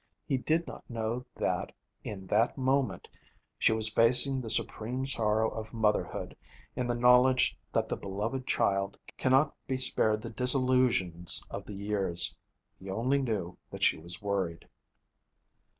He did not know that, in that moment, she was facing the supreme sorrow of motherhood in the knowledge that the beloved child cannot be spared the disillusions of the years. He only knew that she was worried.